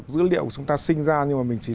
dữ liệu của chúng ta sinh ra nhưng mà mình chỉ